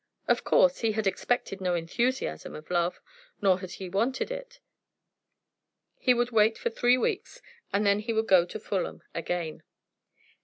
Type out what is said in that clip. Of course he had expected no enthusiasm of love; nor had he wanted it. He would wait for three weeks and then he would go to Fulham again.